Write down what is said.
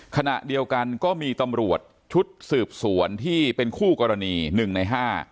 ขณะเดียวกันก็มีตำรวจชุดสืบสวนที่เป็นคู่กรณี๑ใน๕